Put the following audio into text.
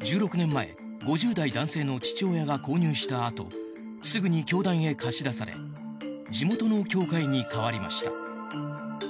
１６年前５０代男性の父親が購入したあとすぐに教団へ貸し出され地元の教会に変わりました。